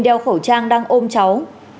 đeo khẩu trang đang ôm cháu